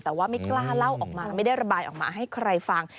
แต่ว่าไม่กล้าเล่าออกมาไม่ได้ระบายออกมาให้ใครฟัง